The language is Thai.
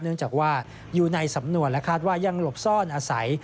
เนื่องจากว่าอยู่ในสำนวนและคาดว่ายังหลบซ่อนอาศัย